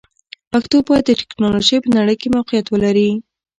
پښتو باید د ټکنالوژۍ په نړۍ کې موقعیت ولري.